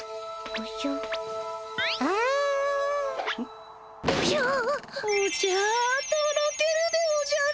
おじゃとろけるでおじゃる！